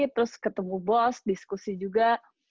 terus ketemu bos diskusi juga